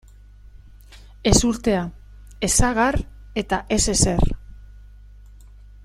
Ezurtea, ez sagar eta ez ezer.